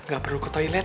gak perlu ke toilet